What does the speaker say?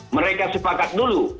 mereka sepakat dulu